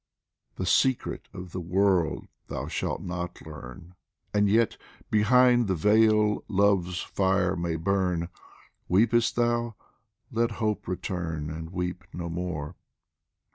The secret of the world thou shalt not learn, And yet behind the veil Love's fire may burn Weep'st thou ? let hope return and weep no more